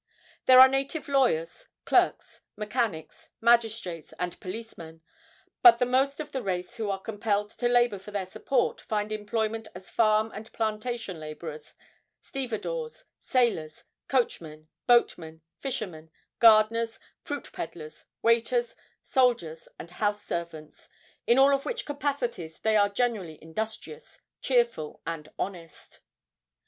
There are native lawyers, clerks, mechanics, magistrates and police men; but the most of the race who are compelled to labor for their support find employment as farm and plantation laborers, stevedores, sailors, coachmen, boatmen, fishermen, gardeners, fruit pedlars, waiters, soldiers and house servants, in all of which capacities they are generally industrious, cheerful and honest.